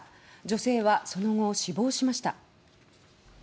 女性はその後、死亡しました。